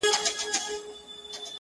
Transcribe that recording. اوښان ډوب سول د ځانو په اندېښنو کي!!